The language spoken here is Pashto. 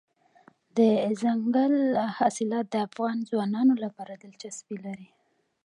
دځنګل حاصلات د افغان ځوانانو لپاره دلچسپي لري.